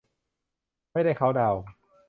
ไม่ได้เคานท์ดาวน์